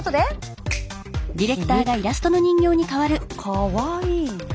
かわいい。